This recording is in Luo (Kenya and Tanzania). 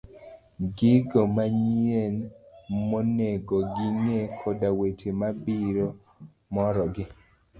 gigo manyien monego ging'e, koda weche mabiro morogi.